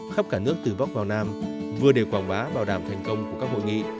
khắp cả nước từ bắc vào nam vừa để quảng bá bảo đảm thành công của các hội nghị